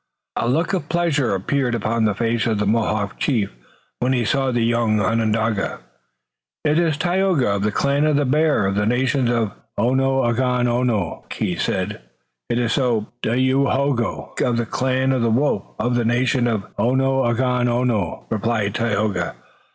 A look of pleasure appeared upon the face of the Mohawk chief when he saw the young Onondaga. "It is Tayoga of the clan of the Bear, of the nation Onundagaono (Onondaga)," he said. "It is so, Dayohogo of the clan of the Wolf, of the nation Ganeagaono (Mohawk)," replied Tayoga.